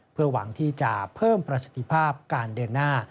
เพื่อหวังที่จะเพิ่มประสิทธิภาพการเดินหน้า